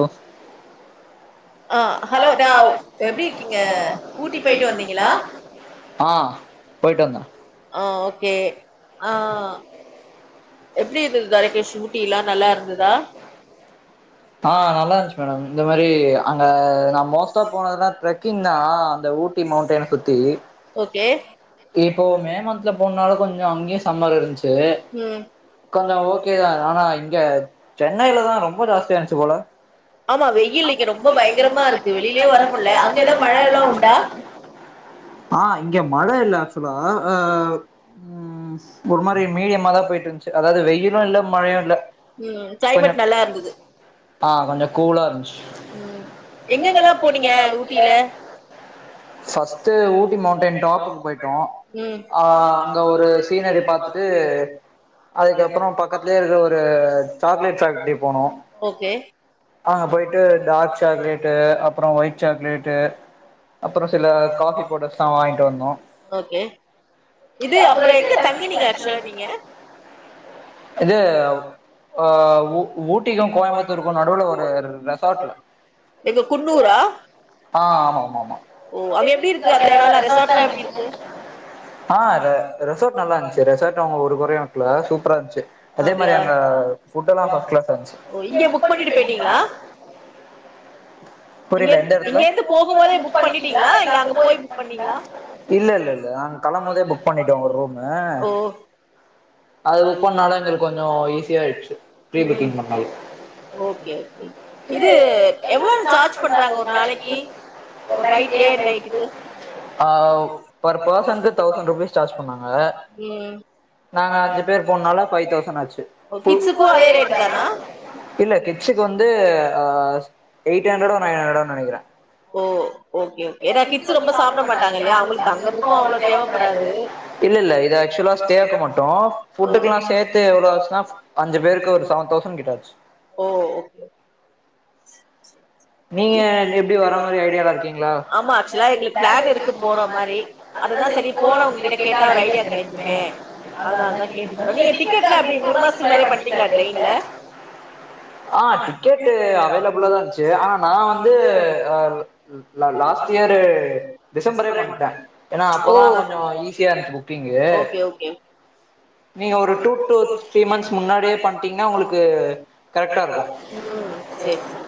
ஒ ஆஹ் ஹலோ டாவ் எப்டி இருக்கீங்க ஊட்டி போய்ட்டு வந்தீங்களா ஆஹ் ஓகே ஆஹ் எல்லா ஆக்குதா [inaudible] ஆஹ் நல்லா இருன்ச்சு மேடம் இந்த மாரி அங்க நா மோஸ்டா போனதுல்லா ட்ரெக்கிங் தா அந்த ஊட்டி மவுண்டைன சுத்தி ஓகே ம் கொஞ்சொ ஓகேதா ஆனா இங்க சென்னைலதா ரொம்ப ஜாஸ்தியா இருன்ச்சு போல ஆமா வெயில் ரொம்ப பயங்கரமா இருக்கு வெளியவே வர முல்ல அங்க எதா மழ எல்லா உண்டா ஆஹ் இங்க மழ இல்ல ஆக்சுவலா அஹ் ம் ஒரு மாரி மீடியமாதா போய்ட்ருன்ச்சு அதாவது வெயிலு இல்ல மழயு இல்ல கொஞ்சொ ஆஹ் கொஞ்ச கூலா இருன்ச்சு ஃபஸ்ட்டு ஊட்டி மெளண்டைன் டாப்புக்கு போய்ட்டோ அஹ் அங்க ஒரு சீ னெறி பாத்துட்டு அதுக்கப்பறோ பக்கத்லே இருக்க ஒரு சாக்லேட் ஃபக்ட்ரி போனோ அங்க போய்ட்டு டார்க் சாக்லேட்டு அப்றோ வயிட் சாக்லேட்டு அப்புற சில காபி பவ்டர்ஸ் லா வாங்கிட்டு வந்தோ இது அப்பற எப்டி [unintelligible] எடுத்துட்டு வந்தீங்க இது ஆ உ ஊட்டிக்கு கோயம்புத்தூர் இருக்கு நடுவுல ஒரு ரெசார்ட்ட்ல எங்க குன்னூரா ஆ ஆமா ஓ அங்க எப்டி இருக்கு அதுல எடல்லா ரெசார்ட்லா எப்டி இருக்கு ஆ ரெ ரெசார்ட் நல்லாந்ச்சு ரெசார்ட் அவங்க ஒரு கொறையு வக்கல சூப்பரா இருந்ச்சு அதே மாரி அங்க புட்டல்லா ஃர்ஸ்ட் க்ளாஸ்ஸா இருந்துச்சு இங்க புக் பண்ணிட்டு போயிட்டீங்களா இங்க இங்க இருந்து போகும் போதே புக் பண்ணிட்டீங்களா இல்ல அங்க போய் புக் பண்ணீங்களா இல்ல இல்ல இல்ல நாங்க களபோதே புக் பண்ணிட்டோ ஒரு ரூமு அது புக் பண்ணாலு எங்களுக்கு கொஞ்ச ஈஸியாயிச்சு பரீ புக்கிங் பண்ணது ஓகே ஓகே இது எவ்வளவு சார்ஜ் பண்றாங்க ஒரு நாளைக்கு ஒரு நைட் டே நைட்டுக்கு ஆ பர் பர்சனுக்கு தௌசண்ட் ருபீஸ் சார்ஜ் பண்ணாங்க நாங்க அஞ்சு பேர் போனனால பைவ் தௌசண்ட் ஆச்சு டு இல்ல கிட்சிக்கு வந்து அ எயிட் ஹண்டரடா நைன் ஹண்டரடானு நெனைக்கறே ஓ ஓகே ஓகே ஏன்னா கிட்ஸ்சுக்கு ரொம்ப சாப்பட மாட்டாங்க இல்லையா அவங்களுக்கு தங்கரதுக்கு அவ்ளோ தேவைப்படாது ஆக்சுவலா ஸ்டேக் மட்டு ஃபுட்டுக்குல்லா சேர்த்து எவ்வளோ ஆச்சுன்னா அஞ்சு பேருக்கு ஒரு செவன் தௌசண்ட் கிட்டாச்சு ஓ ஓகே ஆமா ஆக்சுவலா எங்களுக்கு பிளான் இருக்கு போற மாரி அததா னா சரி போன உங்ககிட்ட கேட்டா ஒரு ஐடியா கெடைக்குமே அதனால தா கேட்டுக்க நீங்க டிக்கெட்ல அப்டி மணு மாசத்துக்கு முன்னேக்கு பண்ணீடீங்களா ட்ரையின்ல ஆ டிக்கெட் டு அவைலபில்லாதா ஆ நா வந்து ஆ லா லாஸ்ட் இயர் டிசம்பரே பண்ட்டே ஏன்னா அப்பதா கொஞ்ச ஈஸியா இருந்துச்சு புக்கிங்கு நீங்க ஒரு டூ டு த்ரீ மன்த் முன்னாடியே பண்டிங்கனன்னா கரக்ட்டா இருக்கு செரி சரி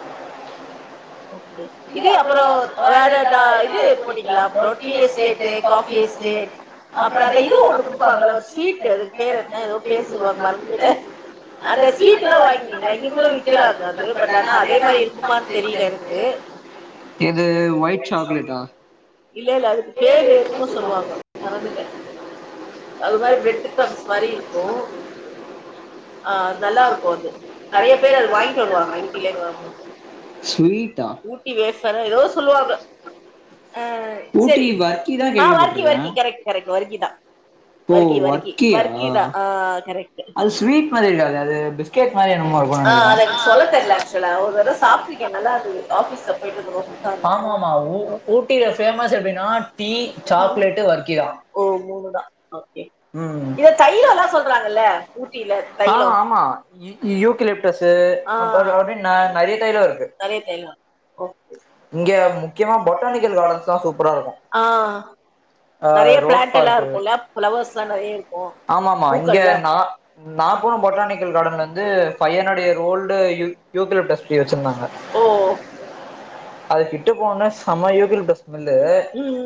[inaudible] இது அவளோ அதாதுதா இது போனீங்களா ஒரு டீ எஸ்டேட்டு காபி எஸ்டேட்டு அப்புற அத இது ஒன்னு குடுபாங்கல ஸ்வீட்டு பேர் என்ன எதோ பேர் சொல்லுவாங்க அதுக்கு அந்த ஸ்வீட் வாங்கி அதுக்குள்ள விக்கிறாங்க [unintelligible] அதேதா இருக்குமா தெரியல ஏ எது ஒயிட் சாக்லேட்டா இல்ல இல்ல அதுக்கு பேரு என்னமோ சொல்லுவாங்க மறந்துட்டே அது மாதிரி பிரெட் கிரம்ப்ஸ் மாரி இருக்கு அ அது நல்லாருக்கு அது நெறைய பேரு அது வாங்கிட்ருவாங்க ஊட்டிலருந்து வரும்போது ஊட்டி வேசற ஏதோ சொல்லுவாங்க ஆ சரி ஆ வர்க்கி வர்க்கி கரெக்ட் கரெக்ட் வர்கிதா வர்க்கி வர்க்கி வர்க்கிதா ஆ கரக்ட் ஆ அது எனக்கு சொல்லத் தெரிலா ஆக்சுவலா ஒரு தடவ சாப் நல்லாயிருந்துது ஆபிஸ்ல போயிட்டு வந்தவங்க குடுத்தாங்க ஓ மூணு தா ஓகே இந்த தைலோலா சொல்றாங்கல்ல ஊட்டில தைலோ ஆ நெறிய தைலோ இருக் ஓகே இங்க முக்கிமா பொட்டானிக்கல் கார்டன் தா சூப்பரா இருக்கு நெறிய பிளான்டல்லா இருக்குல பிளவர்ஸ்லா நெறிய இருக்கு பூக்கல்லா ஓல்டு யு யூக்கலிப்டஸ் ட்ரீ வச்சிருந்தாங்க அது கிட்ட போநொன்னே சம யூக்கலிப்டஸ் ஸ்மெல்லு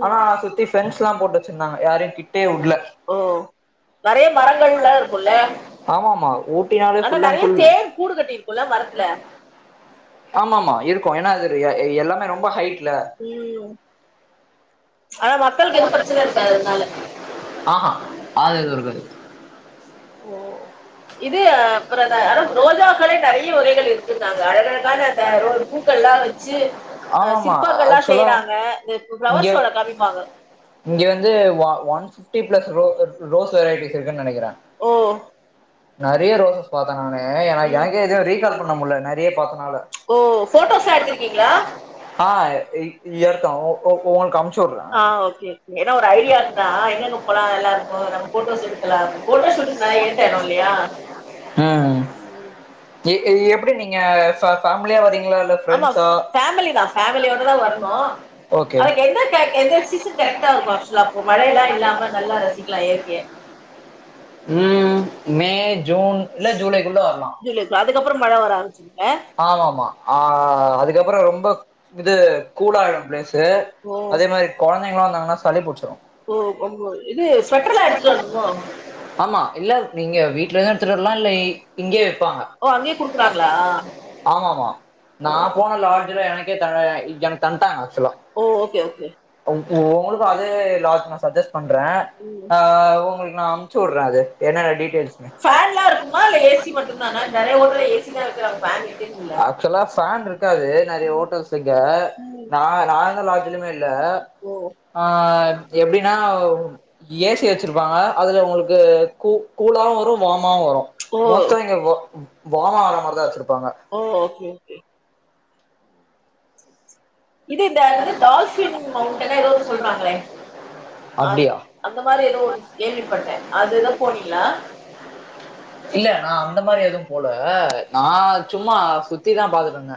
ஆனா சுத்தி பெண்ஸ்லா போட்டு வச்சிருந்தாங்க யாரையு கி ட்டயே வுட்ல ஓ நெறய மரங்கள்லா இருக்குல ஆனா நெறய தேன் கூடு கட்டிருக்குல மர ஆமாமா இருக்கு ஏன்னா அது ரெ ஏ எல்லாமே ரொம்ப ஹைட்ல ஆஹா அது எது இருக்காது ஓ இது அப்ரோ ஆனா ரோஜாக்ளே நெறிய வகைகள் இருக்குன்னாங்க அழகழகான அந்த ரொ பூக்கள் பூக்கள்லா வெச்சு அ சிற்பங்களா செய்றாங்க இந்த பிளவர் ஷோல காமிப்பாங்க இங்க வந்து ஒ ஒன் பிப்டி பிளஸ் ரோ ரோஸ் வெரைட்டிஸ் இருக்குன்னு நெனைக்கிறே நெரிய ரோசஸ் பாத்தே நானே என எனக்கே எதையு ரீகால் பண்ண முல்ல நெறிய பாத்தனால போட்டோஸ்லா எடுத்ருக்கீங்ளா ஓகே ஓகே ஏன ஒரு ஐடியாக்கு தா எங்கங்க போலா எல்லாரூக்கு நம்ம போட்டோஸ் எடுக்கலா போட்டோஷூட்டுக்கு நெறைய ஏ ம் எ எ எப்டி நீங்க பே ஃபேமிலியா வரீங்ளா இல்ல பிரண்ட்ஸா ஓகே ம் மே ஜூன் இல்ல ஜூலைக்குள்ள வரலா ஆமாமா ஆ அதுக்கப்ரோ ரொம்ப இது கூலயிடு பிளேசு அதே மாரி கொழந்தைங்களா சாங்கன்னா சளி புடிச்சிரு ஓ இது ஸ்வட்டர் லா எடுத்துட்டு வரணமோ ங்க வீட்டிலருந்து எடுத்துட்டு வர்ல இல்ல இங்கியே விப்பாங்க ஓ அங்கியே குடுக்கிறாங்ளா ஆமா ஆமா நா போன லாட்ஜ்ல எனக்கே தா எனக்கு தட்டாங்க ஆக்சுவலா உஓ ஒங்களுக்கு அதே லாஜ் நா சஜஸ்ட் பண்றே ஆ உங்களுக்கு நா அம் சொல்றாது என்னன்ன டி டீடெயில்சு ஃபேன்லா இருக்குமா இல்ல ஏ சி மட்டுதான நெறிய ஊர்ல ஏ சி தா வெக்ராங்க ஃபேன் இருக்காது நெறிய ஹோட்டல்ஸ் இங்க நா நா எந்த லாஜ்லியுமே இல்ல ஆ எப்டின்னா ஏ சி வச்சிருப்பாங்க அதுல உங்களுக்கு கூ கூலாவு வரு வமாவு வரு மோஸ்டா இங்க வா வாம வர மாரிதா வச்சிருப்பாங்க ஓ ஓகே ஓகே [inaudible] டார்ஜிலிங் மவுண்டைனோ ஏதோன்னு சொல்றாங்லே அப்டியா இல்ல நா அந்த மாரி எதுவு போல நா சும்மா சுத்திதா பாத்துட்டுவந்தே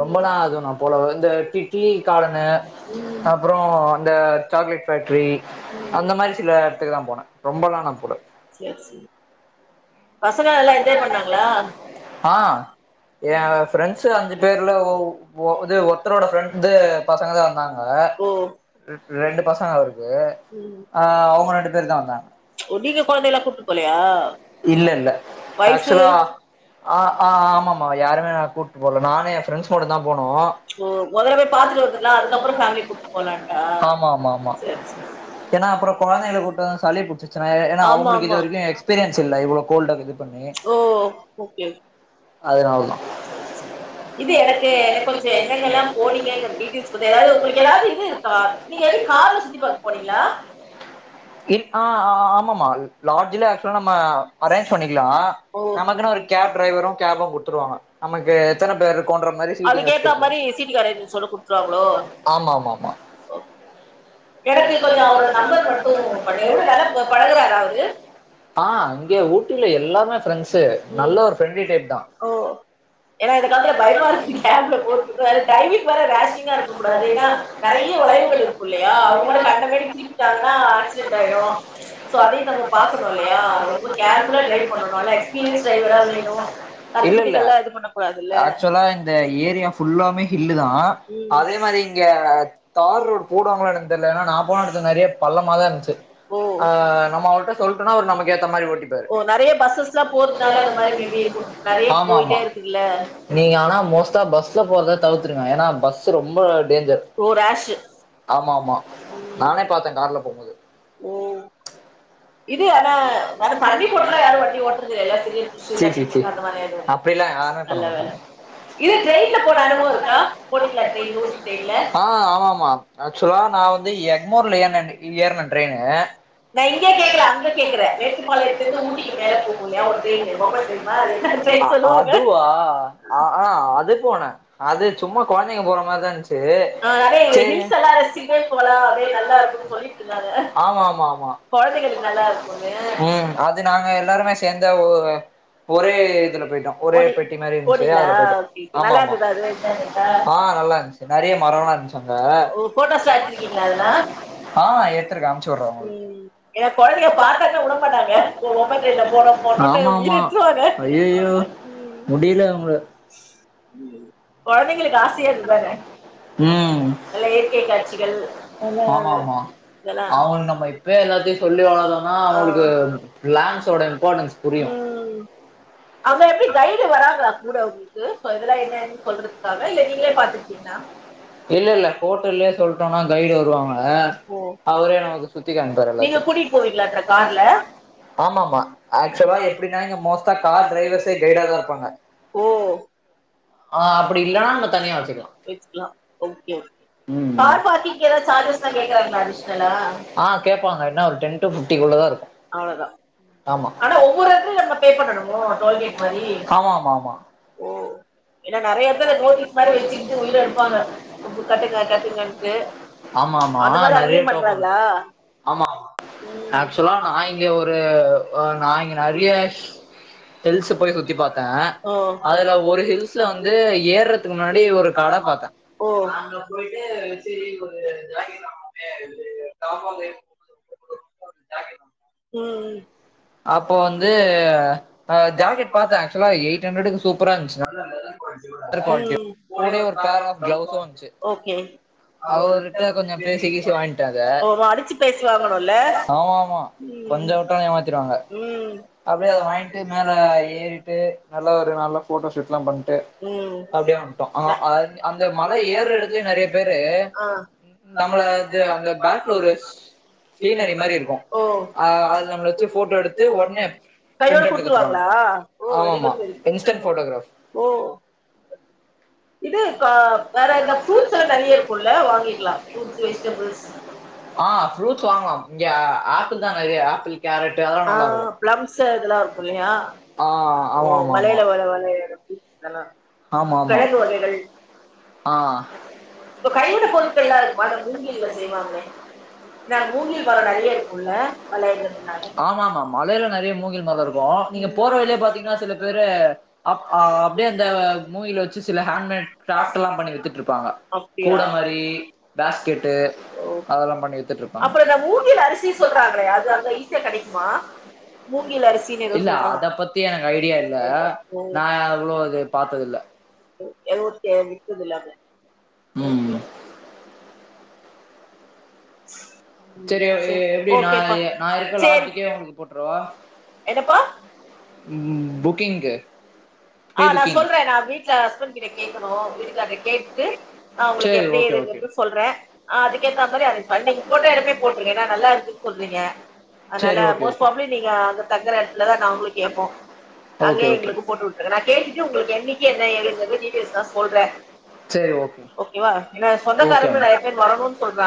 ரொம்பெல்லா அது நா போல வந் து டி டீ கார்டனு அப்ரோ அந்த சாக்லேட் பேக்ட்ரி அந்த மாரி சில எடத்துக்கு தா போன ரொம்பலா நா போல எஸ் பசங்கள்ல நல்ல என்ஜாய் பண்ணாங்ளா ஏ ஃரெண்ட்ஸ் அஞ்சு பேர்ல ஓ இது ஒருத்தரோட ஃரெண்ட்டு பசங்க தா வந்தாங்க ஓ ம் ஒ நீங்க கொழந்தைல்லா கூட்டு போலையா வயசு ஆ ஆ ஆமாமா [unintelligible] நானே [unintelligible] த்துட்டு வந்துலா அதுக்கப்புற ஃபேமிலி கூட்டு போலம்டா சரி சரி ஏன்னா அப்புற கொழந்தைக கூப்ட [unintelligible] ஓ ஓகே ஓக் இது எனக்கு எனக்கு கொஞ்ச எண்ணங்கெல்லா போனீங்க டீடைல்ஸ் உங்களுக்கு ஏதாவது இது இருக்கா நீங்க கார்ல சுத்தி பாக்க போனீங்களா இ ஆ ஆமாமமா லார்ஜல ஆக்சுவல அரேஞ்ச் பண்ணிக்கலாம் நமக்குன ஒரு கேப் டிரைவரும் கேபும் கொடுத்துருவாங்க நமக்கு எத்தனை பேர் [unintelligible] மாரி சீட்டிங் வச்சுகுடுத்துருவாங்க ஆமா ஆமா ஆமா மா எனக்கு கொஞ்சம் அவங்க நம்பர் மட்டும் உ பேன் எப்டி நல்லா பழகுரார அவரு ஆ இங்க ஊட்டியில எல்லாருமே ஃப்ரெண்ட்ஸு நல்ல ஒரு ஃப்ரெண்ட்லி டைப் தான் ஏன்னா இத காலதுலா பயமா இருக்கு கேப்ல போரதுக்கு வேற டிரைவிங் வேற ரஷிங்கா இருக்கூடாது ஏன்னா நெறைய வளைவுகள் இருக்குள்ளயா யா அவங்க மட்டும் கண்ட மேனிக்கு திருப்பிட்டாங்கன்னா ஆக்சிடென்ட் ஆயிடும் சோ அதையும் நம்ம பாக்கணும்ல இல்லையா ரொம்ப கேர்ஃபுல்லா ட்ரைவ் பண்ணணும் நல்லா எக்ஸ்பீரியன்ஸ் டிரைவரா வேணும் கத்துக்கிட்டிங்கல்ல இது பண்ண கூடாதுல்ல நீங்க ஆ கார் ஓ [unintelligible] நா போறதுக்கு முன்னாடியே பள்ளமாதாயிருந்துச்சு [unintelligible] ஓ நெறைய பஸ்ஸஸ்ஸா போறதுனால அந்த மாதிரி மேபி இருக்கும் நெறைய போயிட்டே இருக்குல்ல ஷ் ஓ ராஷ்ஷு ஆமா ஆமா நானே பாத்தேன் கார்ல போகும்போது ம் ச்சீ ச்சீ ச்சீ அப்படிலாம் யாருமே பண்ணாமட்டாங்க ஆ ஆமாமா ஆக்சுவலா வந்து எக்மோர்ல ஏ ஏற்னேன் ட்ரைனு கேக்கல அங்க கேக்குற வேட்டுப்பாளையதுக்கு ஊட்டிக்கு மேல போகும்லயா ஒரு [unintelligible] டைமா அது என்ன டிரைணு அதுவா ஆஹ் ஆ அது போனேன் அது சும்மா கொழந்தைங்க போற மாதிரிதான் இருந்துச்சு செரி ஆமா ஆமா ஆமா ம் அது நாங்க எல்லாருமே சேர்ந்துதா [unintelligible] ஒரே இதுல போயிட்டோம் ஒரே பெட்டி மாதிரி இருந்துச்சு அதுல போயிட்டோம் ஆமா ஆமா ஆ நல்லா இருந்துச்சு நெறைய மரம்லாம் இருந்துச்சுங்க ஆஹ் எடுத்திருக்கேன் அமுசுவிடுறன் ம் என் கொழந்தைக பாத்தாக்க வுடமாட்டங்க பொம்மை ட்ரெயின்ல போனும் போனும்னு ரொம்ப முடியல அவங்கள ம் கொழந்தைங்களுக்கு ஆசையே அதுதானே ம் நல்ல இயற்கை காட்சிகள் இதெல்லாம் இப்பவே எல்லாத்தீயும் சொல்லிவளத்தா தான் ப்ளாண்ட்ஸ் ஓட இம்பார்டன் புரியும் அவங்க எப்படி கைடு வராங்களா கூட உங்களுக்கு ஃபர்தரா எங்கேங்க சொல்றதுக்காக இல்ல நீங்களே பாத்துக்கிட்டீங்களா இல்ல இல்ல ஹோட்டல்லயே சொல்லிட்டோம்னா கைடு வருவாங்கள அவரே நமக்கு சு த்தி காமிபாறு எல்லாத்தியும் ஆமா ஆமா ஆக்சுவலா எப்படின்னா இங்க மோஸ்ட்டா கார் டிரைவர்ஸே கைடா தான் இருப்பாங்க ஓ வாசிக்கலாம் ஓகே ஓகே கார் பார்க்கிங் ஏதாவ சார்ஜஸ்லா கேக்குறாங்களா அடிஷ்னலா ஆ கேட்பாங்க என்ன ஒரு டென் டு பிப்டிக்குள்ளதான் இருக்கும் ஆனா ஒவ்வொரு இடத்துலயும் நாம பே பண்ணனுமோ டோல்கேட் மாறி ஆ மா ஆமா நெறைய டோக்கன் இரு ஆமா உம் ஆ ஓ ம் அப்போ வந்து ஜாக்கெட் பாத்தே ஆக்சுவ்லா எயிட் ஹண்ட்ரடுக்கு சூப்பரா இருந்துச்சு பர் குவாலிட்டியு கூடயே ஒரு பேர் ஆப் க்ளவ்ஸு வந்ச்சி அவர்ட்ட கொஞ்சோ பேசி கீசி வாய்ங்ட்டே அத ஆமா ஆமா கொஞ்சோ வுட்ட ஏமாத்திருவாங்க அப்டியே வாய்ங்கிட்டு மேல ஏறிட்டு நல்லா ஒரு நல்ல ஃபோட்டோ ஷூட்லா பண்ட்டு அப்டியே வந்ட்டோ ஆ அந் அந்த மல ஏற்ற எடத்துலயே நெறைய பேரு நம்மள இது அந்த பேக்ல ஒரு சீனரி மாரி இருக்கு ஆ அது நம்மள வச்சு ஃபோட்டோ எடுத்து ஒட்னே பிரின்ட் எடுத்து குத்துருவாங்க ஆமா மா இன்ஸ்டன் ஃபோட்டோகிராப் இது க காரணோ ஃப்ரூட்ஸ்லா நெறைய இருக்கு போல வாங்கிக்லா [inaudible] ஆ ஃப்ரூட்ஸ் வாங்கலா இங்க ஆ ஆப்பிள் தா நெறைய ஆப்பிள் கேரட்டு அதெல்லா நல்லாருக்கு ஆ ஆமாமாமா ஆமா ஆமா இப்ப பயணிகள் போறத்க்கு எதாருக்குமா மூங்கில்ல செய்வாங்க ஆமா ஆமா மழைல நெறைய மூங்கில் மரோ இருக்கு நீங்க போற வழியே பாத்தீங்னா சில பேரு அப் அ அப்டியே அந்த மூங்கில வச்சி சில ஹேண்மேட் க்ராஃப் டெல்லா பண்ணி வித்துட்ருப்பாங்க கூட மாரி பேஸ்கெட்டு அதெல்லா பண்ணி வித்துட்ருப்பாங்க இல்ல அத பத்தி எனக்கு ஐடியா இல்ல நா அவ்ளோ அது பாத்ததில்ல எழுவத்தி அஞ்சி இதுல்லாமே ஓகேப்பா சேரி என்னப்பா ம் புக்கிங்கு ஆ நா சொல்றே நா வீட்ல ஹஸ்பண்ட் கிட்ட கேக்கனு வீட்டுக்கார்ட்ட கேட்டு அ உங்களுக்கு எப்டி இது கேட்டு சொல்றே அ அதுக்கேத்த மாரி‌அரேஞ் பண்ணி நீங்க போட்ட எடமே போட்ருங்க ஏனா நல்லா இருக்குன் சொல்றீங்க அனால மோஸ் பாப்லி நீங்க அங்க தங்குற எடத்துலதா நாங்களு கேப்போ அங்யே எங்களுக்கு போட் வுட் நா‌ கேட்டுட்டு உங்களுக்கு என்னிக்கு என்ன ஏதுன் சொல்லி டீட்டெயில்ஸ்லா சொல்றே ஓகேவா ஏனா சொந்தக்காரங்கள் நெறைய பேரு வரணுன் சொல்றா